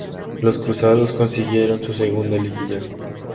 Los "cruzados" consiguieron su segunda liguilla.